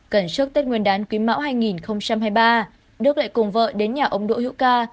cần trước tết nguyên đán quý mão hai nghìn hai mươi ba đức lại cùng vợ đến nhà ông đỗ hữu ca